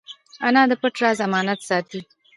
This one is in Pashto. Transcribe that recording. انا د پټ راز امانت ساتي